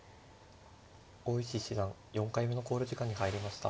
大石七段４回目の考慮時間に入りました。